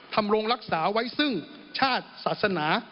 รงรักษาไว้ซึ่งชาติศาสนา